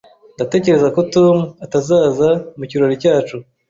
Ndatekereza ko Tom atazaza mu kirori cyacu.